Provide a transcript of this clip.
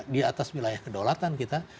di atas wilayah kedaulatan kita